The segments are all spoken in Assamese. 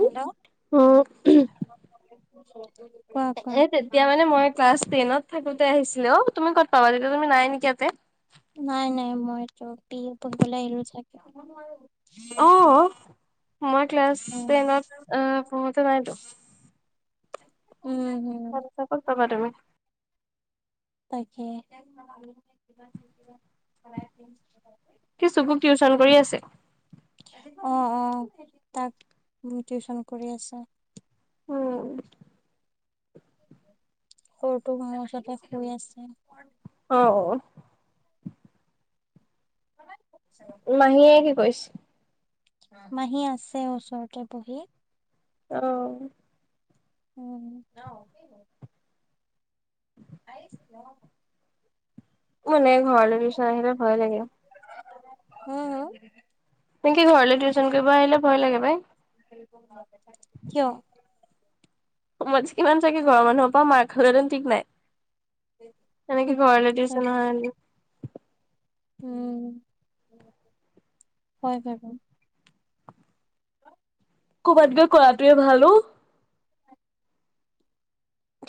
হেল্ল'! উম, কোৱা, এ কোৱা? তেতিয়া মানে মই ক্লাছ টেনত থাকোতে আহছিলে। অ, তুমি ক'ত পাবা, তেতিয়া তুমি নাই নেকি ইয়াতে! নাই, নাই, মইতটো বি এ পঢ়িবলে আহিলো চাগে। অ', মই ক্লাছ উম। টেনত পঢ়োতে নাইতো। উম, হুম। থামচাপত পাবা তুমি। তাকে। কি চুকুক টিউচন কৰি আছে? অ' অ' তাক টিউচন কৰি আছে। উম। সৰুটো মোৰ ওচতে শুই আছে। অ'। ভম [unintelligible] মাহীয়ে কি কৰিছে? মাহী আছে ওচৰতে বহি। অ'। উম। [unintelligible] মোৰ এনে ঘৰলে টিউচন আহিলে ভয় লাগে। হা' হা'? পিংকি ঘৰলৈ টিউচন কৰিব আহিলে ভয় লাগে পায়। কিয়? মইতো কিমান চাগে ঘৰৰ মানুহৰ পৰা মাৰ খালোহেঁতেন ঠিক নাই। [unintelligible] তেনেকে ঘৰলৈ টিউচন তাকে অহা হ'লে। উম, হয় হয় হয়। [inaudible] ক'ৰবাত গৈ কৰাটোৱে ভাল অ'।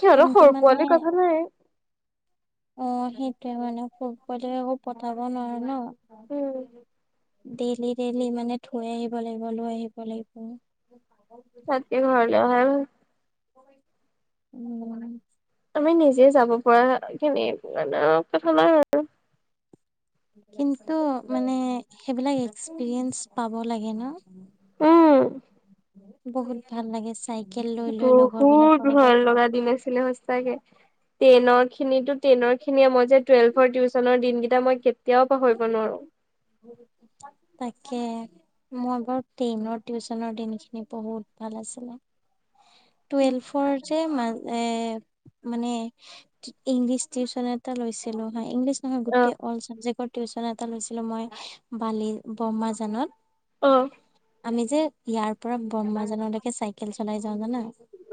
সিহঁতৰ কিন্তু সৰু মানে পোৱালি কথা নাই। অ', সেইটোয়ে মানে সৰু পোৱালি আকৌ পঠাব নোৱাৰে উম, ন'? ডেইলি ডেইলি মানে থৈ আহিব লাগিব, লৈ আহিব লাগিব। তাতকে ঘৰলৈ অহাইয়ে ভাল। উম। [unintelligible] আমি নিজে যাব পৰা খিনি মানে কথানাই আৰু। কিন্তু মানে, সেইবিলাক এক্সপিৰিয়েঞ্চ পাব লাগে ন'? উম। বহুত ভাল লাগে চা বহুত ভাল লগা দিন আছিলে সঁচাকে। টেনৰ খিনিটো টেনৰ খিনিয়ে, মই যে টুৱেলভৰ টিউচনৰ দিনকেইটা মই কেতিয়াও পাহৰিব নোৱাৰোঁ। তাকে। মই বাৰু টেইনৰ টিউচনৰ দিনখিনি বহুত ভাল আছিলে। টুৱেলভৰ যে, ম এ মানে ইংলিছ টিউচন এটা লৈছিলোঁ হা', ইংলিছ নহয়, অ গোটেই অল চাবজেক্টৰ টিউচন এটা লৈছিলোঁ মই বালি ব্ৰহ্মাজানত। অ'। আমি যে ইয়াৰ পৰা ব্ৰহ্মাজানলৈকে চাইকেল চলাই যাওঁ, জানা।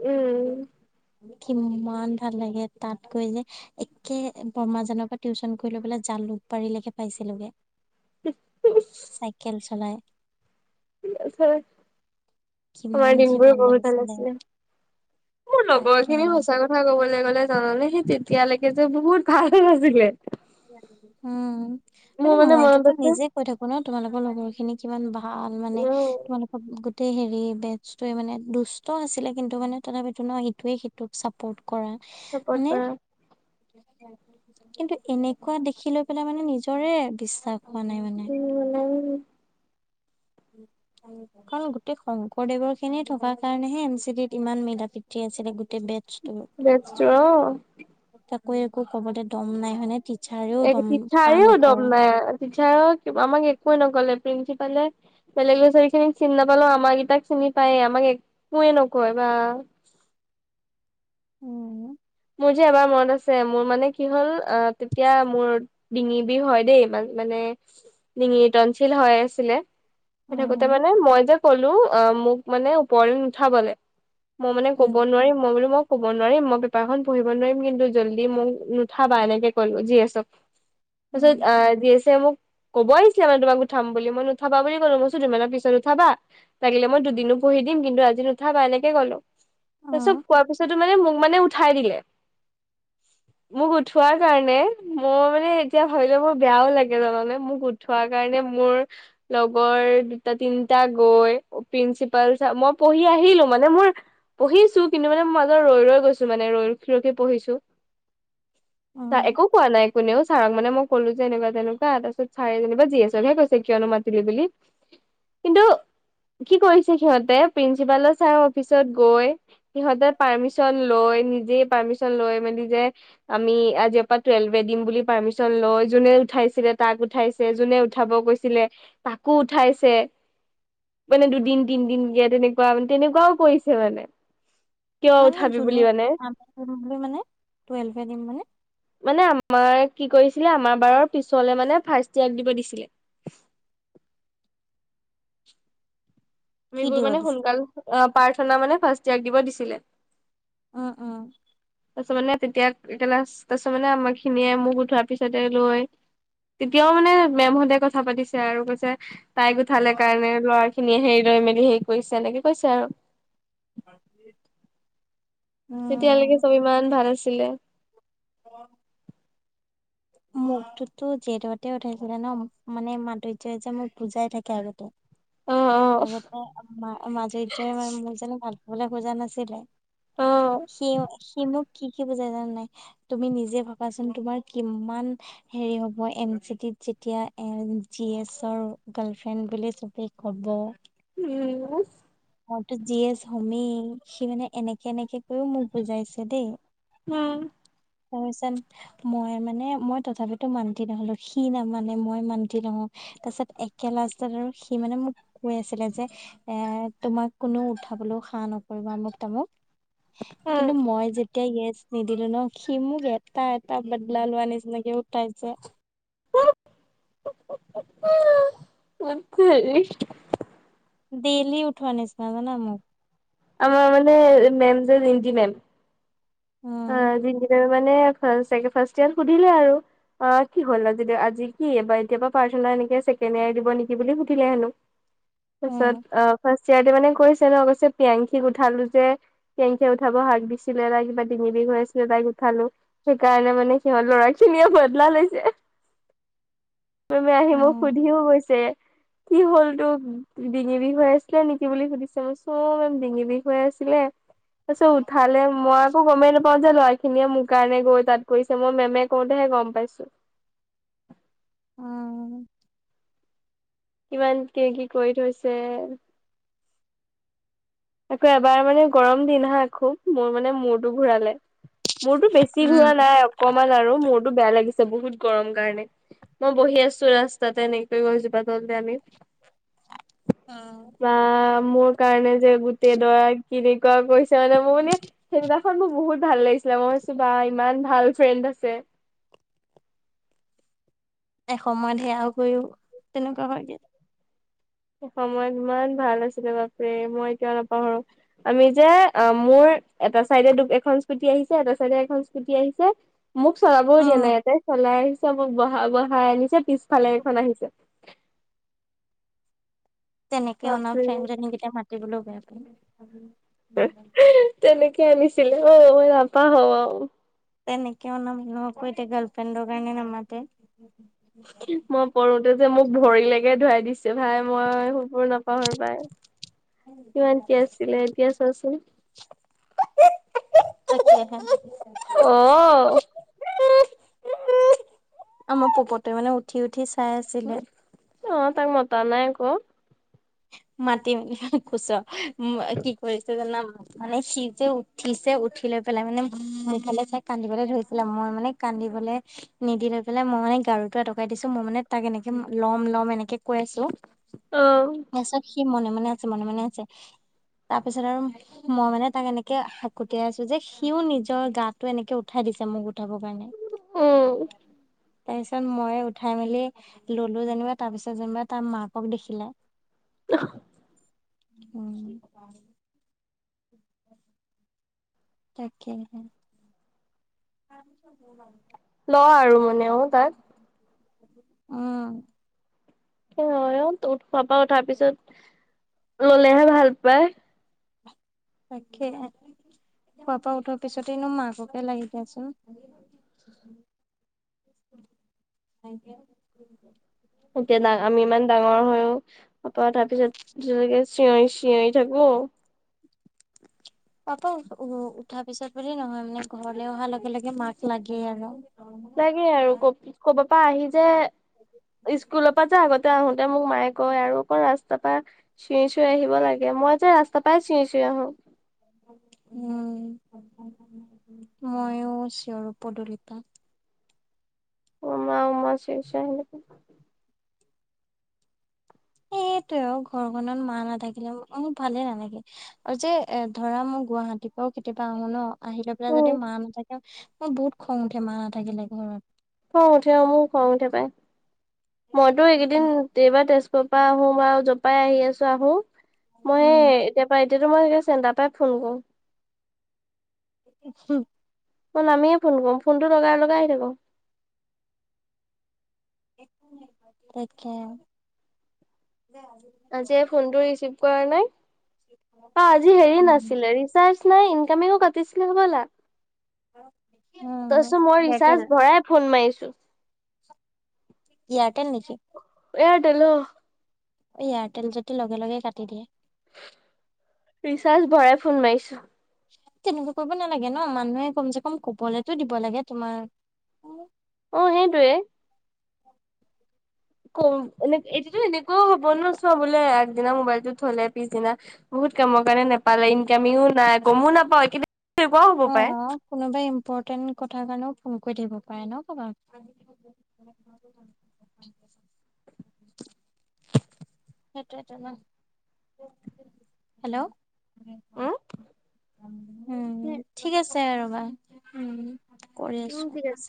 উম। কিমান ভাল লাগে তাত গৈ যে একে ব্ৰহ্মাজানৰ পৰা টিউচন কৰি লৈ পেলাই জালুকবাৰিলেকে পাইছিলোগে। [unintelligible] চাইকেল চলাই। [unintelligible] কিমান তোমাৰ যে দিনবোৰো বহুত ভাল লাগিছিলে আছিলে, মোৰ লগৰ তাকে খিনি সঁচা [unintelligible] ক'বলৈ গ'লে জানানে সি তেতিয়ালৈকে যে বহুত ভাইৰেল আছিলে। উম, মোৰ মানে মনত মইতোটো আছে নিজে কৈ থাকোঁ ন' তোমালোকৰ লগৰ খিনিক কিমান ভাল মানে, উম তোমালোক গোটেই হেৰি বেটছটোৱে মানে দুষ্ট আছিলে, কিন্তু মানে তথাপিতো ন' ইটোৱে সি টোক ছাপৰ্ট কৰা, চাপৰ্ট হয়নে। কৰা কিন্তু এনেকুৱা দেখি লৈ পেলাই মানে নিজৰে বিশ্বাস হোৱা নাই মানে। উম [unintelligible] কাৰণ গোটেই শংকৰদেৱৰ খিনি থকাৰ কাৰণেহে এম চি ডিত ইমান মিলা প্ৰীতি আছিলে, গোটেই বেটছ বেচটো অ [unintelligible] কাকো একো ক'বলে দম নাই হয়নে টিচাৰেও এ, দম চাহ টিচাৰেও দম নকৰে। নাই, টিচাৰে আমাক একোৱে নকলে প্ৰিন্সিপালে বেলেগ ল'ৰা ছোৱালী খিনিক চিনি নাপালেও আমাক কেইটাক চিনি পায় আমাক একোৱে নকয় বা উম। মোৰ যে এবাৰ মনত আছে, মোৰ মানে কি হ'ল অ' তেতিয়া মোৰ ডিঙি বিৰ হয় দেই মা-মানে, ডিঙিৰ টনঞ্চিল হৈ আছিলে। হৈ থাকোতে উম মানে মই যে ক'লো অ' মোক মানে ওপৰলে নুঠাবলে। মই মানে ক'ব উম নোৱাৰিম, মই বোলে মই ক'ব নোৱাৰিম ম পেপাৰখন পঢ়িব নোৱাৰিম কিন্তু জল্দি মোক নুঠাবা এনেকে ক'লো জি এছ অক। উম তাৰপাছত অ' জি এছ এ মোক ক'বই আহিছিলে মানে তোমাক উঠাম বুলি মই নুঠাবা বুলি ক'লো মই দুমানৰ পিছত উঠাবা লাগিলে মই দুদিনো পঢ়ি দিম কিন্তু আজি নুঠাবা এনেকে ক'লো। তাৰপিছত উম কোৱাৰ পিছতো মানে মোক মানে উঠাই দিলে। মোক উঠোৱাৰ কাৰণে মই মানে এতিয়া ভাবিলোঁ মোৰ বেয়াও লাগে জানানে মোক উঠ থোৱা কাৰণে মোৰ লগৰ দুটা তিনিটা গৈ প্ৰিন্ঞ্চিপাল ছাৰ, মই পঢ়ি আহিলোঁ মানে মোৰ পঢ়িছোঁ কিন্তু মানে মই মাজতে ৰৈ ৰৈ গৈছ [unintelligible] মানে ৰৈক লৈকে পঢ়িছোঁ, তা উম একো কোৱা নাই। কোনেও ছাৰখ মানে মই ক'লো যে এনেকুৱা তেনেকুৱা তাৰপাছত ছাৰে যেনিবা জি এছ অকে কৈছে কিয়নো মাতিলি বুলি। কিন্তু কি কৰিছে সিহঁতে প্ৰিন্সিপালৰ ছাৰ অফিচত গৈ, সিহঁতে পাৰ্মিচন লৈ নিজে পাৰ্মিশন লৈ মেলি যে আমি আজিৰ পৰা টুৱেল্ভে দিম বুলি পাৰ্মিচন লৈ যোনে উঠাইছিলে তাক উঠাইছ যোনে উঠাব কৈছিলে তাকো উঠাইছে। মানে দুদিন তিনদিন দিয়া তেনেকুৱা মানে তেনেকুৱাও পৰিছে মানে, কিয় উঠাবি বুলি [unintelligible] মানে বুলি মানে, টুৱেল্ভে দিম মানে। মানে আমাৰ কি কৰিছিলে আমাৰ বাৰৰ পিছলে মানে ফাৰ্ষ্ট ইয়াৰক দিব দিছিলে। কি আমিবোৰ দিব মানে দিছিলে সোনকাল, প্ৰাৰ্থনা মানে ফাৰ্ষ্ট ইয়াৰক দিব দিছিলে। অ', অ'। তাৰপিছত মানে তেতিয়া একেলা তাৰপাছত মানে আমাৰ খিনিয়ে মোক উঠোৱাৰ পিছতে লৈ তেতিয়াও মানে মেমহঁতে কথা পাতিছে আৰু কৈছে, তাইক উঠালে কাৰণে ল'ৰা খিনিয়ে হেৰি লৈ মেলি হেৰি কৰিছে এনেকে কৈছে আৰু। আখ তেতিয়ালৈকে চব ইমান ভাল আছিলে। অ মোকটোতো জেততে উঠাইছিলে ন' মানে মাধুৰ্যয় যে মোৰ বুজাই থাকে আগতে। অ অ আগতে মধুইজাই মোক যেনে ভাল পাবলৈ খোজা নাছিলে। অ সি সি মোক কি কি বুজাই জান নাই, তুমি নিজে ভাবাচোন তোমাৰ কিমান হেৰি হ'ব এন চিটিত যেতিয়া এ' জি এছৰ গাৰ্লফ্ৰেণ্ড বুলি চবে কব। উম',। মইতো জি এছ হমেই, সি মানে এনেকে এনেকে কৰিও মোক বুজাইছে দেই। উম',। তিচ মই মানে মই তথাপিতো মান্তি নহলো, সি নামানে মই মান্তি নহওঁ। তাৰপিছত একে লষ্টাত আৰু সি মানে মোক কৈ আছিলে যে এ' তোমাক কোনো উঠাবলৈও সা নকৰিবা আমুক-তামুক, কিন্তু মই যে এতিয়া ইচ নিদিলো ন' সি মোক এটা এটা বাদলা লোৱা নিচিনাকে উঠাইছে। মি ডেইলি উঠোৱা নিচিনা জনা মোক। আমাৰ মানে মেম যে জিন্তি মেম। উম',। জিন্টি মেমে মানে ফাৰ্ষ্ট ইয়াৰ সুধিলে আৰু। অ' কি হ'ল আজি আজি কি এইবাৰ এতিয় পাৰ্চ এনেকে ছেকেণ্ড ইয়াৰ দিব নেকি বুলি সুধিলে হেনো। তাৰ উম পিছত অ' চি আই দি মানে কৈছে ন' কৈছে পিয়ংখিক উঠালো যে, পিয়ংখিয় উঠাব হাক দিছিলে কিবা ডঙি বিষ হৈ আছিলে তাইক উঠালো, সেইকাৰণে মানে সিহঁত ল'ৰা খিনিয়ে বদলা লৈছে। সকলোৱে আহি উম মোক সুধিও গৈছে কি হ'ল তোক ডিঙি বিষ হৈ আছিলে নেকি? বুলি সুধিছে মই চব মোৰ ডিঙি বিষ হৈ আছিলে। তাৰ পিছত উঠালে মই একো গমেই নাপাওঁ যে ল'ৰা খিনিয়ে মোৰ কাৰণে গৈ তাত কৰিছে। মই মেমে কওঁতেহে গম পাইছোঁ। অ',। ইমান কি কি কৰি থৈছে। আকৌ এবাৰ মানে গৰম দিন হা, আকৌ মোৰ মানে মূৰটো ঘূৰালে। মোৰতো বেছি উম ঘোৰা নাই অকমান আৰু, মূৰতো বেয়া লাগিছে বহুত গৰম কাৰণে। মই বহি আছো ৰাস্তা এনেকে গছজোপা তলতে আমি। অ',। অ' মোৰ কাৰণে যে গোটেই ল'ৰা কেনেকুৱা কৰিছে মানে মোৰ মানে সেইদিনাখন মোৰ বহুত ভাল লাগিছিলে। মই ভাবিছোঁ বা ইমান ভাল ফ্ৰেণ্ড আছে। এসময়ত সেয়াও কৰিও তেনেকুৱা হয়গে। সময়ত মই ইমান ভাল আছিলে বাপৰে, মই এতিয়াও নাপাহৰোঁ। আমি যে, অ' মোৰ এটা চাইডে দু এখন স্কুটি আহিছে। এটা চাইডে এখন স্কুটি আহিছে। মোক চলাবও দিয়া উম নাই ইহঁতে চলাই আহিছে মোক বহা বহাই আনিছে। পিছফালে এখন আহিছে। তেনেকে অনা বাপৰে ফ্ৰেমজনীকেইটা মাতিবলৈ বেয়া পাই। তেনেকে আনিছিলে অ' মই নাপাহৰোঁ আৰু। তেনেকে অনা মানুহকো এতিয়া গালফ্ৰেণ্ড কাৰনে নামাতে। মই পঢ়োতে যে মোক ভৰিলৈকে ধোৰাই দিছে। ভাই মই সবোৰ নাপাহৰ পাই কিমান কি আছিলে এতিয়া চোৱাচোন [unintelligible] তা হ [unintelligible] আহ' আমাৰ পপতে মানে উঠি উঠি চাই আছিলে। অ' তাক মতা নাই আকৌ'। মাতিম দিয়া খোছ কি কৰিছো জানা মোক- মানে, সি যে উঠিছে। উঠি লৈ পেলাই মানে মোৰফালে চাই কান্দিবলৈ ধৰিছিলে। মই মানে- কান্দিবলৈ- নিদি লৈ পেলাই মই মানে গাৰুতটো এটকাই দিছো মই মানে তাক এনেকে লম লম এনেকে কৈ আছোঁ। অ'- তাৰপিছত সি মনে মনে আছে মনে মনে আছে। তাৰপিছত আৰু- মই মানে তাক এনেকে হাকুটিয়াই আছোঁ যে সিও নিজৰ গা টো এনেকে উঠাই দিছে মোৰ গাত- উঠাব কাৰণে। উম তাৰপিছত মইে উঠাই মেলি ললোঁ যেনিবা তাৰপিছত যেনিবা তাৰ মাকক দেখিলে। [unintelligible] উ [unintelligible] তাকে হে। ত চ হ লে [unintelligible] ল আৰু মানেও তাক। উম'- অ অ ত' খোৱা পা উঠাৰ পিছত ললেহে ভাল পায়। তাকে, খোৱাৰ পৰা উঠোৱাৰ পিছতেইনো মাককে লাগি দিয়াচোন। [unintelligible] থেংক ইউ [unintelligible] এতিয়া ডাঙ আমি ইমান ডাঙৰ হৈও অপা তাৰ পিছতে চি চিঞৰি থাকো পাপা উ উঠা পিছত বুলি নহয় মানে ঘৰলে অহাৰ লগে লগে মাক লাগে আৰু লাগে আৰু ক ক'বাৰ পৰা আহি যে স্কুলৰ পৰা যে আগতে আহোতে মোক মায়ে কয় আৰু অকণ ৰাস্তাৰ পৰা চিঞৰি চিঞৰি আহিব লাগে মই যে ৰাস্তা পাই চিঞি [unintelligible] আহোঁ উম মইয়ো চিঞৰ পদূুলিপা অমা অমা [unintelligible] সটোৱে আৰু ঘৰখনত মা নাথাকিলে ম ভালে নালাগে অ যে এ ধৰা মই গুৱাহাটীৰ পৰাও কেতিয়াবা আহো ন আহি লৈ পেলাই উম যদি মা নাথাকে মই বহুত খং উঠে মা নাথাকিলে ঘৰত খং উঠে অ মোৰ খং উঠে পায় মইতো এইকেইদিন বাৰ তেজপুৰৰ পৰা আহো বাৰু জোপাই আহি আছো আহো মই উম, তেতিাৰ পৰা এতিাতো মইে চেণ্টাৰ পৰাই ফোন কৰো উ মই নামিয়ে ফোন কৰো ফোনটো লগাই লগাই আহি থাকো তাকে [unintelligible] [unintelligible] [unintelligible] ফোন উম, এয়াৰটেল মাৰিছো এয়াৰটেল নিকি? এয়াৰটেল অ। এয়াৰটেল যদি লগে লগে কাটি দিয়ে। ৰিচাৰ্জ ভৰাই ফোন মাৰিছো। তেনেকুৱা কৰিব নালাগে ন, মানুহে কমচেকম কবলেতো দিব লাগে, তোমাৰ। অ সেইটোৱে। কম এনে এইটোত এনেকুৱাই হ'ব ন, চোৱা বোলে আগদিনা মোবাইলটো থলে পিছদিনা বহুত কামৰ কাৰণে নোপালে, ইনকামিও নাই গমো নাপাও, এনেকুৱাও হ'ব অ পাৰে। কোনোবাই ইম্পৰ্টেণ্ট কথাৰ কাৰণেও ফোন কৰি থাকিব পাৰে ন কাবাক। [inaudible] সেইটোয়েত ন, হেল্ল'? উম উম' ঠিক আছে ৰ'বা উম। কৰি উম আছো। ঠিক আছে